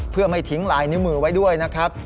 เพื่อไม่ทิ้งลายนิ้วมือไว้ด้วยนะครับ